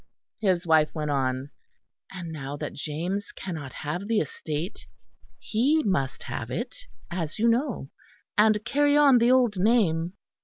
His wife went on: "And now that James cannot have the estate, he must have it, as you know, and carry on the old name."